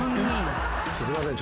すいません。